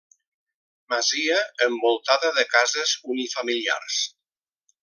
Masia envoltada de cases unifamiliars.